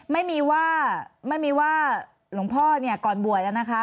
ไม่มีว่าไม่มีว่าหลวงพ่อเนี่ยก่อนบวชแล้วนะคะ